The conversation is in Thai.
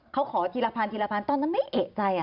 เขาขอทีละพันตอนนั้นไม่เอ๋ใจ